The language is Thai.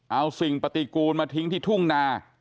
เอาสิ่งปฏิกูลมาทิ้งที่ทุ่งนา